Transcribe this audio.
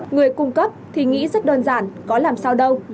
người cung cấp thì nghĩ rất đơn giản có làm sao đâu